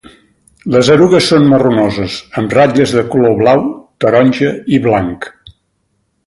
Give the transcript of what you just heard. Les erugues són marronoses amb ratlles de color blau, taronja i blanc.